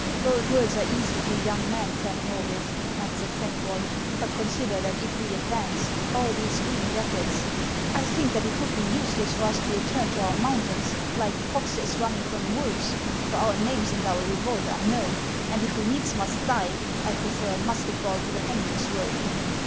" Bold words are easy to a young man, friend Norbith," answered Keuuybol ;" but consider that if we advance, all these green jackets —" I think that it would be useless for us to return to our mountains, like foxes running from wolves, for our names and our revolt are known ; and if we needs must die, T prefer a musket ball to the hangman's rope."